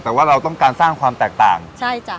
แต่ว่าเราต้องการสร้างความแตกต่างใช่จ้ะ